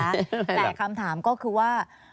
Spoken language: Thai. แต่คำถามก็คือว่า